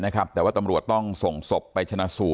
จน๘โมงเช้าวันนี้ตำรวจโทรมาแจ้งว่าพบเป็นศพเสียชีวิตแล้ว